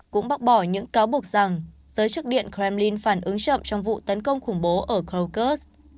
cũng bác bỏ những cáo buộc rằng giới chức điện kremlin phản ứng chậm trong vụ tấn công khủng bố ở krokus